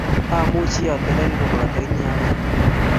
Amuchi atelel kopoto inye agoi tun